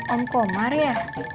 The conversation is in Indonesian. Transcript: om komar ya